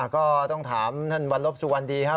ก็ต้องถามท่านวันลบสุวรรณดีครับ